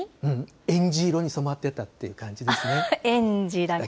えんじ色に染まってたという感じですね。